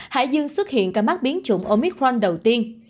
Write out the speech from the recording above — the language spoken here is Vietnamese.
hải dương xuất hiện ca mắc biến chủng omicron đầu tiên